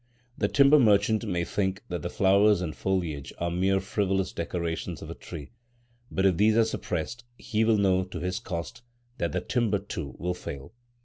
The timber merchant may think that the flowers and foliage are mere frivolous decorations of a tree; but if these are suppressed, he will know to his cost that the timber too will fail.